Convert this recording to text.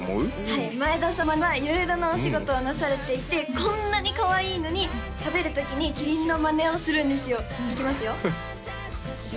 はい前田様は色々なお仕事をなされていてこんなにかわいいのに食べる時にキリンのマネをするんですよいきますよ